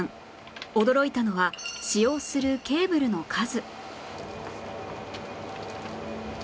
驚いたのは使用するケーブルの数